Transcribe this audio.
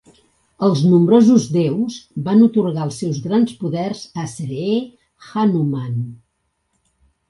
El nombrosos Deus van atorgar els seus grans poders a Sree Hanuman.